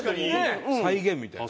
再現みたいなね。